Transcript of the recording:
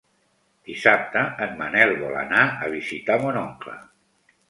Dissabte en Manel vol anar a visitar mon oncle.